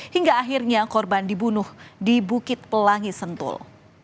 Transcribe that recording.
hingga akhirnya korban dibunuh di bukit pelangi sentul